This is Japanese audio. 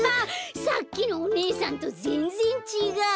さっきのお姉さんとぜんぜんちがう。